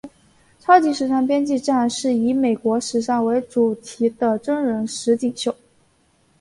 超级时尚编辑战是以美国时尚为主题的真人实境秀。